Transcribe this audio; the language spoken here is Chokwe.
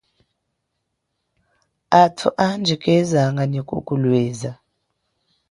Athu andji kezanga nyi kukulweza.